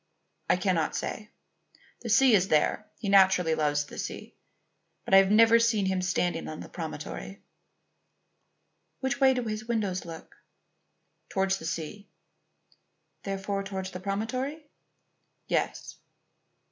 "I cannot say. The sea is there; he naturally loves the sea. But I have never seen him standing on the promontory." "Which way do his windows look?" "Towards the sea." "Therefore towards the promontory?" "Yes."